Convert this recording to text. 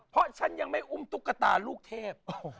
เพราะฉันยังไม่อุ้มตุ๊กตาลูกเทพ